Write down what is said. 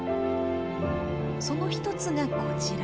その一つがこちら。